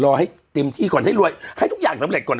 ให้เต็มที่ก่อนให้รวยให้ทุกอย่างสำเร็จก่อน